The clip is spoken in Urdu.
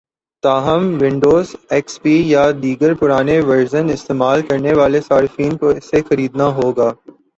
تاہم ونڈوز ، ایکس پی یا دیگر پرانے ورژن استعمال کرنے والے صارفین کو اسے خریدنا ہوگا